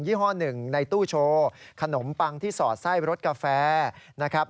ี่ห้อหนึ่งในตู้โชว์ขนมปังที่สอดไส้รสกาแฟนะครับ